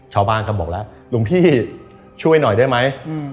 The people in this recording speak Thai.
ชาวบ้านก็บอกแล้วหลวงพี่ช่วยหน่อยได้ไหม